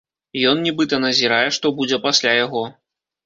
Ён нібыта назірае, што будзе пасля яго.